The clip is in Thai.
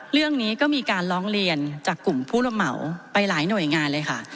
เรื่องนี้ก็มีการร้องเรียนจากกลุ่มผู้ระเหมาไปหลายหน่วยงานเลยค่ะ